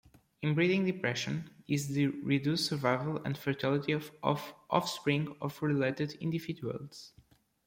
Inbreeding depression is the reduced survival and fertility of offspring of related individuals.